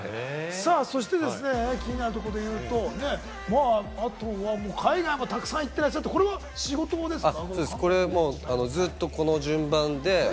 そして気になるところでいうと、あとは海外もたくさん行ってらっしゃって、これは仕事ですか？